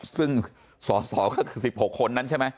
ซึ่งสสก็คือ๑๖คนนั้นใช่ไหม